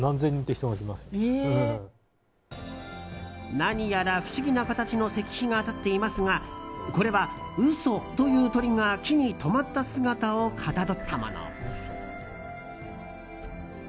何やら不思議な形の石碑が立っていますがこれは、ウソという鳥が木に止まった姿をかたどったもの。